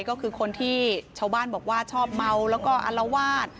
ก็คือคนที่ชาวบ้านบอกว่าชอบเมาแล้วก็อลวาด